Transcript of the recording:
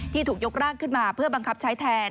ถูกยกร่างขึ้นมาเพื่อบังคับใช้แทน